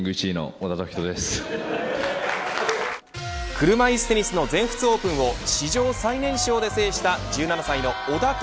車いすテニスの全仏オープンを史上最年少で制した１７歳の小田凱